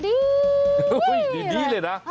ดีเลยนะ